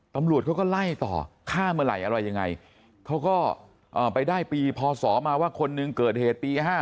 ตำรวจเขาก็ไล่ต่อฆ่าเมื่อไหร่อะไรยังไงเขาก็ไปได้ปีพศมาว่าคนหนึ่งเกิดเหตุปี๕๗